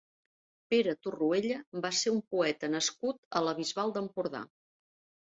Pere Torroella va ser un poeta nascut a la Bisbal d'Empordà.